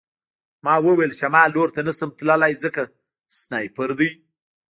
ما وویل شمال لور ته نشم تللی ځکه سنایپر دی